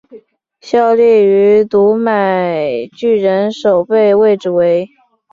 效力于读卖巨人守备位置为。